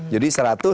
jadi seratus dua ratus